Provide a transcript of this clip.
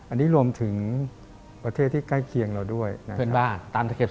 อันนี้รวมถึงประเทศที่ใกล้เคียงเราด้วยนะครับ